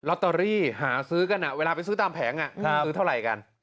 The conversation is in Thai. ตเตอรี่หาซื้อกันเวลาไปซื้อตามแผงซื้อเท่าไหร่กัน